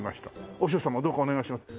「和尚様どうかお願いします」